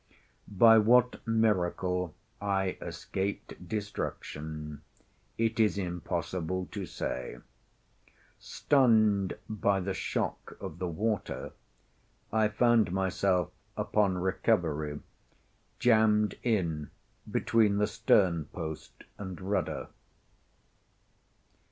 By what miracle I escaped destruction, it is impossible to say. Stunned by the shock of the water, I found myself, upon recovery, jammed in between the stern post and rudder.